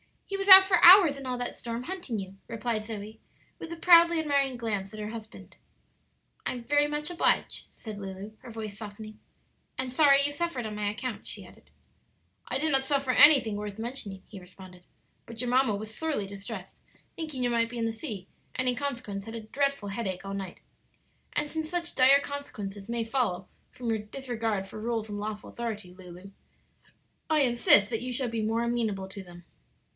"He was out for hours in all that storm, hunting you," replied Zoe, with a proudly admiring glance at her husband. "I'm very much obliged," said Lulu, her voice softening. "And sorry you suffered on my account," she added. "I did not suffer anything worth mentioning," he responded; "but your mamma was sorely distressed thinking you might be in the sea and, in consequence, had a dreadful headache all night. And since such dire consequences may follow upon your disregard for rules and lawful authority, Lulu, I insist that you shall be more amenable to them.